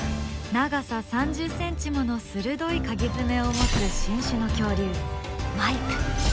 長さ３０ｃｍもの鋭いカギ爪を持つ新種の恐竜マイプ。